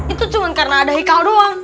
itu cuma karena ada hikau doang